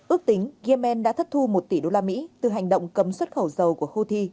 ước tính yemen đã thất thu một tỷ usd từ hành động cấm xuất khẩu dầu của houthi